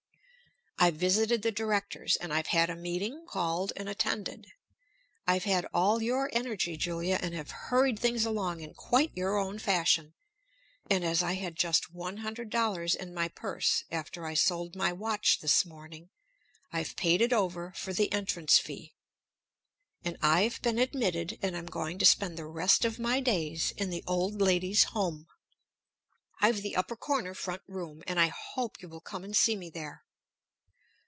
I've visited the directors, and I've had a meeting called and attended, I've had all your energy, Julia, and have hurried things along in quite your own fashion. And as I had just one hundred dollars in my purse after I sold my watch this morning, I've paid it over for the entrance fee, and I've been admitted and am going to spend the rest of my days in the Old Ladies' Home. I've the upper corner front room, and I hope you will come and see me there."